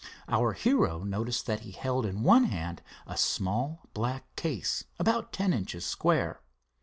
Our hero noticed that he held in one hand a small black case about ten inches square.